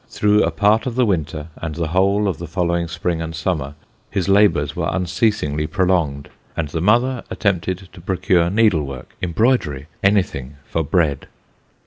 Through a part of the winter, and the whole of the following spring and summer, his labours were unceasingly prolonged : and the mother attempted to procure needlework, embroidery any thing for bread.